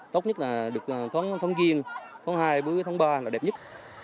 tốt nhất là được thống giêng thống hai thống ba là đẹp nhất